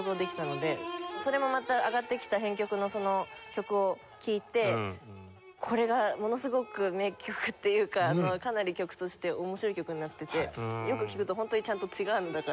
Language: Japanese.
それもまた上がってきた編曲のその曲を聴いてこれがものすごく名曲というかかなり曲として面白い曲になっててよく聴くとホントにちゃんと『ツィガーヌ』だから。